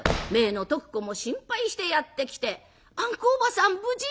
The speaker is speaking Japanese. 姪の徳子も心配してやって来て「あんこおばさん無事？